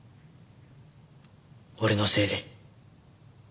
俺のせいで。